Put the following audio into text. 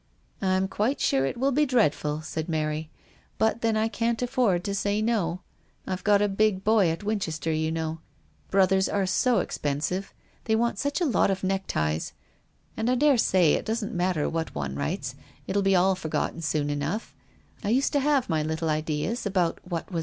"I am quite sure it will be dreadful," said Mary ;" but then I can't afford to say no. I've a big brother going to Oxford in a year or two. And grown up brothers are so expensive. They want such a lot of neckties. And I daresay it doesn't matter much what one writes. It will be forgotten soon enough. I used to have my little ideas about what was